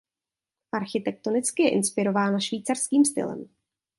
Architektonicky je inspirována švýcarským stylem.